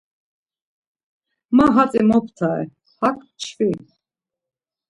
Ma hatzi moptare, hak mçvi.